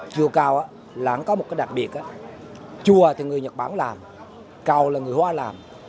chùa cầu là có một cái đặc biệt chùa thì người nhật bản làm cầu là người hoa làm